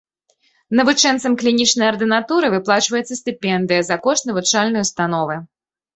Навучэнцам клінічнай ардынатуры выплачваецца стыпендыя за кошт навучальнай установы.